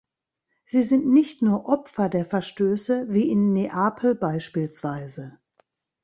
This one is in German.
Sie sind nicht nur Opfer der Verstöße, wie in Neapel beispielsweise.